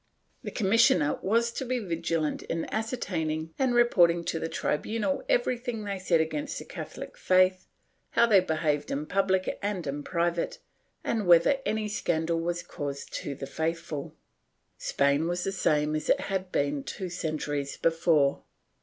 The commissioner was to be vigilant in ascertaining and reporting to the tribunal everything they said against the CathoUc faith, how they behaved in public and in private and whether any scandal was caused to the faithful.^ Spain was the same as it had been two centuries before.